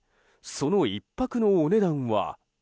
その１泊のお値段は。